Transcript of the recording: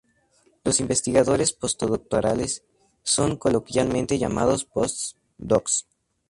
Los investigadores postdoctorales son coloquialmente llamados "post-docs".